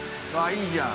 いいじゃん。